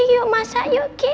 yuk masak gigi